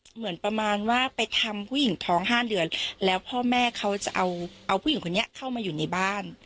เหมือนประมาณว่าไปทำผู้หญิงท้อง๕เดือนแล้วพ่อแม่เขาจะเอาผู้หญิงคนนี้เข้ามาอยู่ในบ้าน